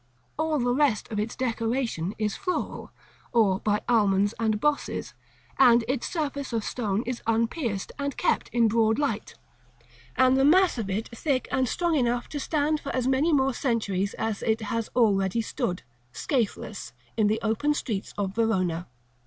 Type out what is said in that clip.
All the rest of its decoration is floral, or by almonds and bosses; and its surface of stone is unpierced, and kept in broad light, and the mass of it thick and strong enough to stand for as many more centuries as it has already stood, scatheless, in the open street of Verona.